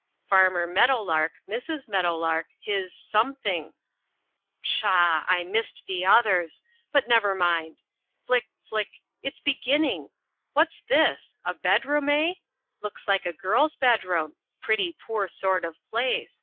FARMER MEADOWLARK, MRS. MEADOWLARK, his Something Pshaw, I missed the others, but never mind; flick, flick, it's beginning What's this? A bedroom, eh? Looks like a girl's bedroom pretty poor sort of place.